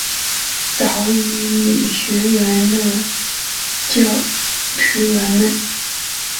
早乙女学园的教职员们。